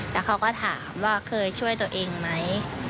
แล้วเขาก็ถามว่าเคยช่วยตัวเองไหม